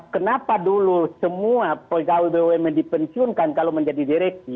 kenapa dulu semua pegawai bumn dipensiunkan kalau menjadi direksi